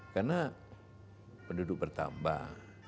karena penduduk bertambah